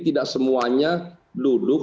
tidak semuanya duduk